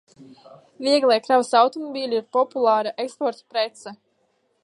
Vieglie kravas automobiļi ir populāra eksporta prece.